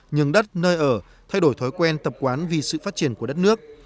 nhường đất nơi ở thay đổi thói quen tập quán vì sự phát triển của đất nước